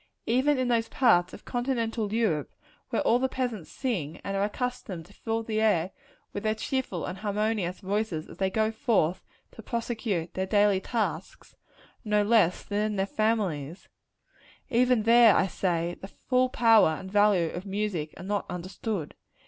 Even in those parts of continental Europe, where all the peasants sing, and are accustomed to fill the air with their cheerful and harmonious voices as they go forth to prosecute their daily tasks, no less than in their families even there, I say, the full power and value of music are not understood.